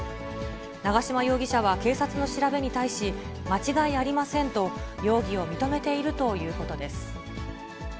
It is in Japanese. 長島容疑者は警察の調べに対し、間違いありませんと容疑を認めているということです。